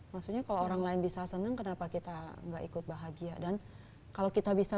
maksudnya kalau orang lain bisa senang kenapa kita nggak ikut bahagia dan kalau kita bisa